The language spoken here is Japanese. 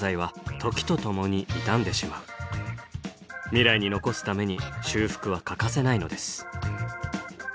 未来に残すために修復は欠かせないのです。